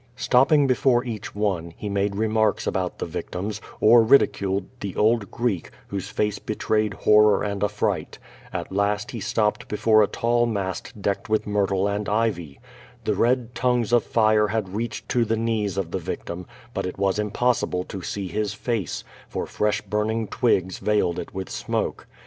Stopping before each one, he made remarks about the vic tims, or ridiculed the old Greek, whose face betrayed horror and affright. At last he stopped before a tall mast decked V ith myrtle and ivy. The red tongues of fire had reached to :lie knees of the victim, but it was impossible to see his face, i'<»r fresh burning twigs veiled it with smoke.